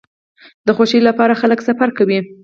د خوښۍ لپاره خلک سفر کوي.